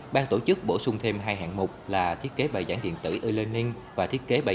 ban tổ chức bổ sung thêm hai hạng mục là thiết kế bài giảng điện tử e learning và thiết kế bài